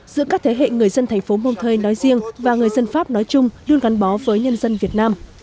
giữa các thế hệ người dân thành phố montree nói riêng và người dân pháp nói chung luôn gắn bó với nhân dân việt nam